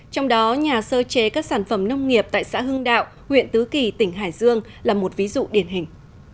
trong đó nhà sơ chế các sản phẩm nông nghiệp tại xã hưng đạo huyện tứ kỳ tỉnh hải dương là một ví dụ điển hình